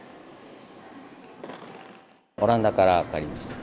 オランダから帰りました。